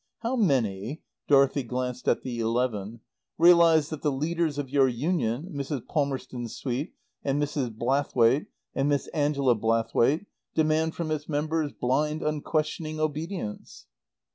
How many" (Dorothy glanced at the eleven) "realize that the leaders of your Union, Mrs. Palmerston Swete, and Mrs. Blathwaite, and Miss Angela Blathwaite, demand from its members blind, unquestioning obedience?"